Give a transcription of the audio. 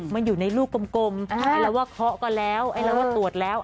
มันอยู่ในลูกกลมไอ้เราว่าเคาะก็แล้วไอ้เราว่าตรวจแล้ว